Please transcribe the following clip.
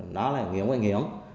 nó là nguyễn quang hiển